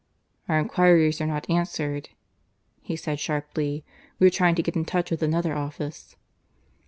"Our enquiries are not answered," he said sharply. "We are trying to get into touch with another office."